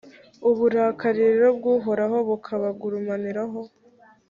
uburakari rero bw’uhoraho bukabagurumaniraho